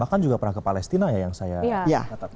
bahkan juga pernah ke palestina ya yang saya katakan